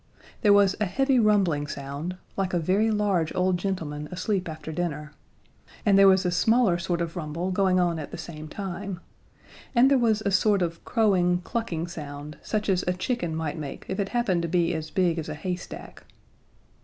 There was a heavy rumbling sound, like a very large old gentleman asleep after dinner; and there was a smaller sort of rumble going on at the same time; and there was a sort of crowing, clucking sound, such as a chicken might make if it happened to be as big as a haystack.